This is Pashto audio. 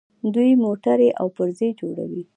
دوی موټرې او پرزې جوړوي.